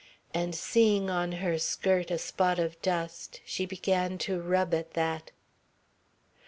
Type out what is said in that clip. And seeing on her skirt a spot of dust she began to rub at that.